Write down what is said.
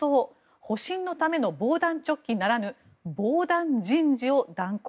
保身のための防弾チョッキならぬ防弾人事を断行。